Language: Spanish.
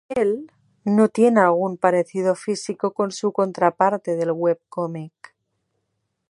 Él no tiene algún parecido físico con su contraparte del "webcomic".